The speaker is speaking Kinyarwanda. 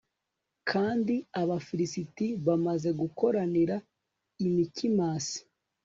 kandi abafilisiti bamaze gukoranira i mikimasi